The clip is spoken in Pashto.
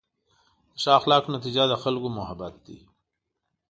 د ښه اخلاقو نتیجه د خلکو محبت دی.